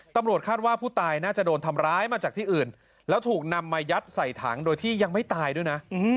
ตำรวจคาดว่าผู้ตายน่าจะโดนทำร้ายมาจากที่อื่นแล้วถูกนำมายัดใส่ถังโดยที่ยังไม่ตายด้วยนะ